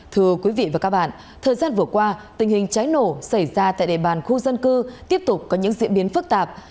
thưa quý vị và các bạn thời gian vừa qua tình hình cháy nổ xảy ra tại đề bàn khu dân cư tiếp tục có những diễn biến phức tạp